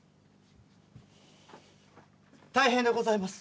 大変でございます。